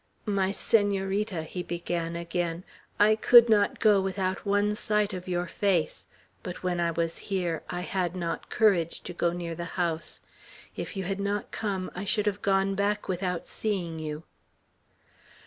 "My Senorita," he began again, "I could not go without one sight of your face; but when I was here, I had not courage to go near the house. If you had not come, I should have gone back without seeing you."